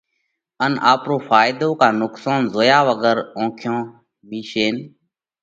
ان آپرو ڦائيۮو ڪا نُقصون زويا وڳر اونکيون ميشينَ